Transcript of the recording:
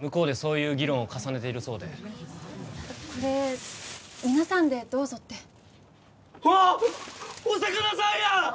向こうでそういう議論を重ねているそうでこれ皆さんでどうぞってわっお魚さんやん！